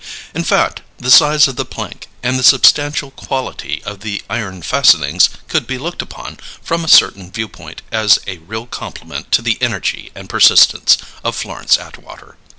In fact, the size of the plank and the substantial quality of the iron fastenings could be looked upon, from a certain viewpoint, as a real compliment to the energy and persistence of Florence Atwater.